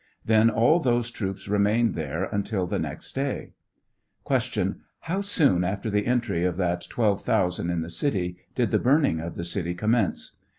Then all those troops remained there until the next day. Q. How soon, after tbe entry of that 12,000 in the city, did the burning of the city commence